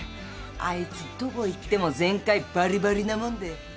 あいつどこ行っても全開バリバリなもんで。